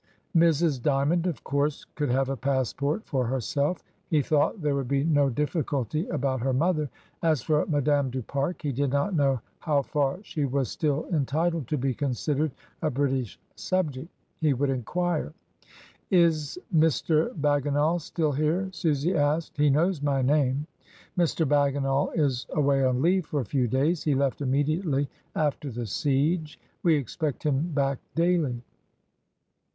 Mrs. Dymond, of course, could have a passport for herself. He thought there would be no difficulty about her mother. As for Madame du Pare, he did not know how far she was still entitled to be considered a British subject He would inquire. "Is Mr. Bagginal still here?" Susy asked. "He knows my name." "Mr. Bagginal is away on leave for a few days; he left immediately after the siege. We expect him back daily."